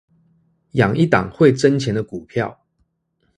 養一檔會掙錢的股票